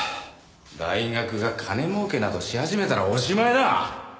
大学が金儲けなどし始めたらおしまいだ！